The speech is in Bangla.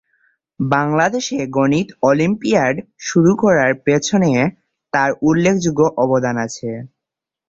বাংলাদেশে গণিত অলিম্পিয়াড শুরু করার পেছনে তার উল্লেখযোগ্য অবদান আছে।